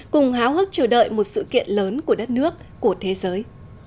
cùng háo hức chờ đợi một sự kiện lớn của đất nước của thế giới